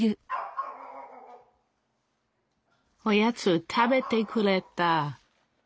おやつ食べてくれた！